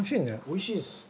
おいしいです。